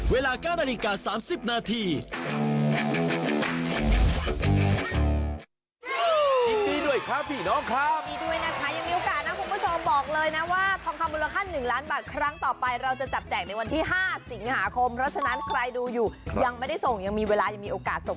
เวลาการณีการ๓๐นาที